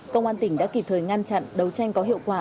công an tỉnh đã kịp thời ngăn chặn đấu tranh có hiệu quả